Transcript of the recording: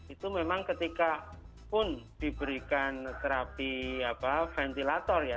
itu memang ketika pun diberikan terapi ventilator ya